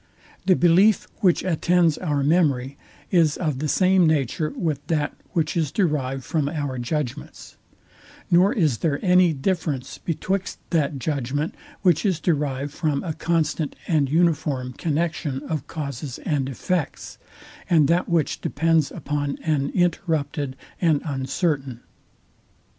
The belief, which attends our memory, is of the same nature with that, which is derived from our judgments: Nor is there any difference betwixt that judgment, which is derived from a constant and uniform connexion of causes and effects, and that which depends upon an interrupted and uncertain.